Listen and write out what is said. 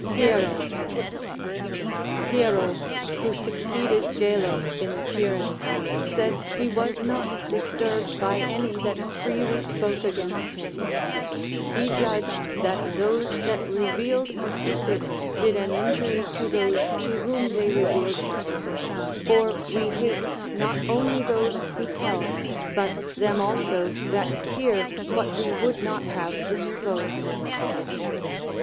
HiERO. Hiero, who succeeded Gelo in the tyranny, said he was not disturbed by any that freely spoke against him. He judged that those that revealed a secret did an injury to those to whom they revealed it ; for we hate not only those who tell, but them also that hear what we would not have disclosed.